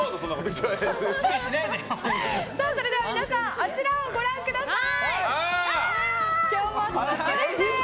皆さん、あちらをご覧ください。